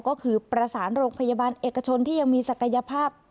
ก็คือประสานโรงพยาบาลเอกชนที่ยังมีศักยภาพ